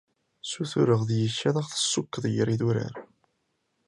Sutureɣ deg-k ad aɣ-tessukeḍ gar yidurar.